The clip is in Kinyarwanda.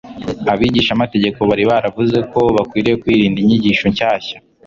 abigishamategeko bari baravuze ko bakwiriye kwirinda inyigisho nshyashya